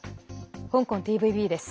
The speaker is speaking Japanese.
香港ＴＶＢです。